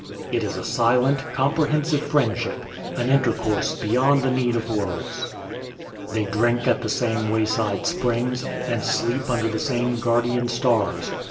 It is a silent, comprehensive friendship, an intercourse beyond the need of words. They drink at the same way side springs, and sleep under the same guardian stars.